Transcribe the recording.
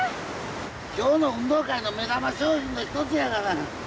今日の運動会の目玉賞品の一つやがな。